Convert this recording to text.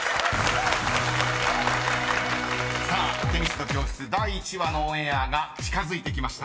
［さあ『女神の教室』第１話のオンエアが近づいてきました］